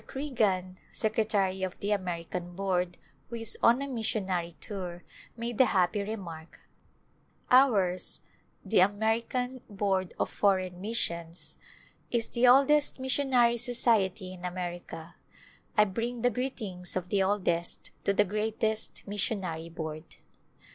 Creegan, secretary of the American Board, who is on a missionary tour, made the happy remark, " Ours (the A. B. F. M.) is the oldest mis sionary society in America. I bring the greetings of the oldest to the greatest missionary Board."